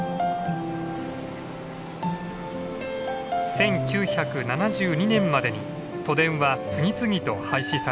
１９７２年までに都電は次々と廃止されました。